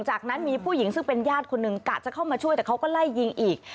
จากนั้นมีผู้หญิงซึ่งเป็นญาติคนหนึ่งกะจะเข้ามาช่วยแต่เขาก็ไล่ยิงอีก